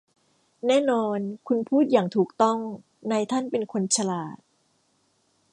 แน่นอนคุณพูดอย่างถูกต้องนายท่านเป็นคนฉลาด